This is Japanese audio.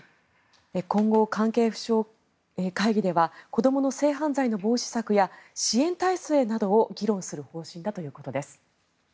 今後、関係府省会議では子どもの性犯罪の防止策や支援体制などを議論する方針だということです。